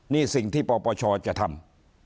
นี่สิ่งที่ปปชจะทำ